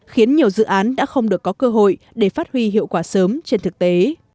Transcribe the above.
khiến nhiều dự án đã không được có cơ hội để phát huy hiệu quả sớm trên thực tế